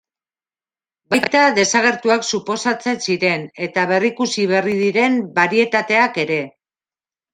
Baita desagertuak suposatzen ziren eta berrikusi berri diren barietateak ere.